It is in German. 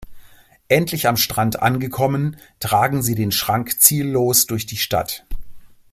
Endlich am Strand angekommen, tragen sie den Schrank ziellos durch die Stadt.